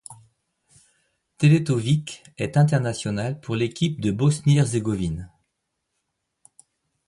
Teletović est international pour l'équipe de Bosnie-Herzégovine.